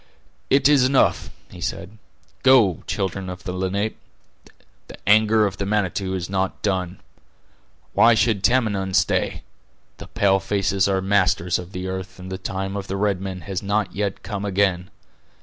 "It is enough," he said. "Go, children of the Lenape, the anger of the Manitou is not done. Why should Tamenund stay? The pale faces are masters of the earth, and the time of the red men has not yet come again.